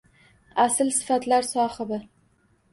Asl sifatlar sohibi